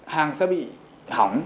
hàng sẽ bị hỏng